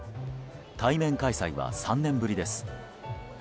対面開催は３年ぶりです。